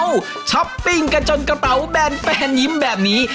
ช้อปปิ้งกันจนกระเป๋าแบนแฟนยิ้มแบบนี้